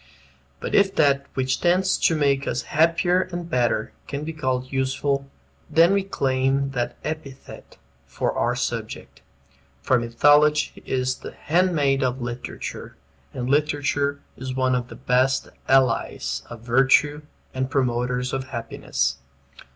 But if that which tends to make us happier and better can be called useful, then we claim that epithet for our subject. For Mythology is the handmaid of literature; and literature is one of the best allies of virtue and promoters of happiness.